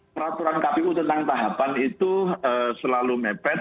peraturan kpu tentang tahapan itu selalu mepet